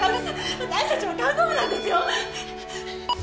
私たちは看護婦なんですよ